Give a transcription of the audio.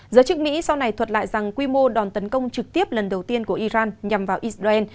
giới chức mỹ sau này thuật lại rằng quy mô đòn tấn công trực tiếp lần đầu tiên của iran nhằm vào israel